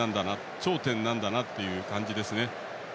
頂点なんだなという感じですね。